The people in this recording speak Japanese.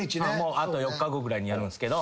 あと４日後ぐらいにやるんすけど。